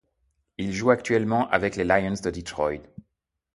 Il joue actuellement avec les Lions de Detroit.